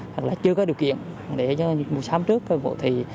hoặc là chưa có điều kiện để mua sắm trước mua thị